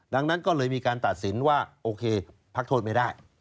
ดังนั้นก็เลยมีการตัดสินว่าโอเคพักโทษไม่ได้